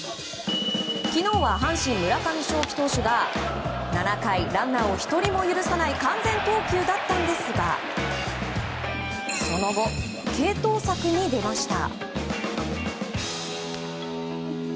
昨日は阪神、村上投手が７回ランナーを１人も通さない完全投球でしたがその後、継投策に出ました。